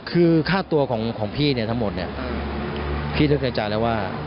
คือค่าตัวของพี่เนี่ยทั้งหมดเนี่ยพี่นึกในใจแล้วว่า